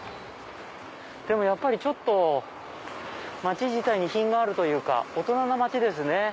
やっぱりちょっと街自体に品があるというか大人な街ですね。